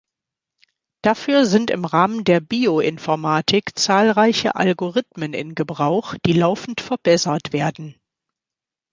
Dafür sind im Rahmen der Bioinformatik zahlreiche Algorithmen in Gebrauch, die laufend verbessert werden.